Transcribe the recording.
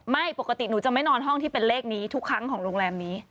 ไม่ปกติหนูจะไม่นอนห้องที่เป็นเลขนี้ทุกครั้งของโรงแรมนี้